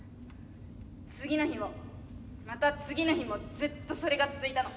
次の日もまた次の日もずっとそれが続いたの。